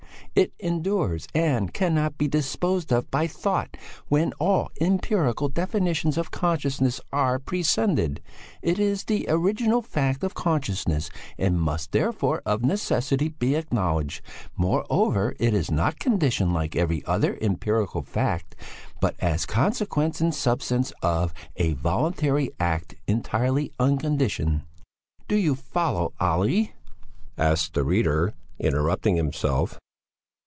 It endures and cannot be disposed of by thought when all empirical definitions of consciousness are prescinded. It is the original fact of consciousness and must therefore, of necessity, be acknowledged. Moreover, it is not conditioned like every other empirical fact, but as consequence and substance of a voluntary act entirely unconditioned.'" "Do you follow, Olle?" asked the reader, interrupting himself.